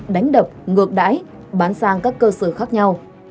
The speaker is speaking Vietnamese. đánh đập ngược đáy bán sang các cơ sở khác nhau